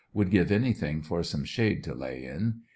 Would give anything for some shade to lay in.